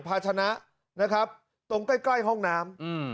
พาชนะนะครับตรงใกล้ห้องน้ำอืม